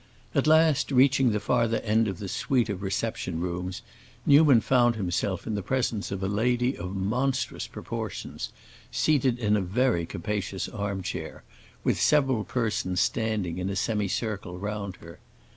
At last, reaching the farther end of the suite of reception rooms, Newman found himself in the presence of a lady of monstrous proportions, seated in a very capacious armchair, with several persons standing in a semicircle round her.